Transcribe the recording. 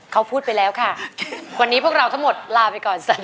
เขาพูดไปแล้วค่ะวันนี้พวกเราทั้งหมดลาไปก่อนสวัสดี